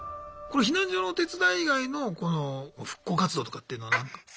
この避難所の手伝い以外のこの復興活動とかっていうのはなんか。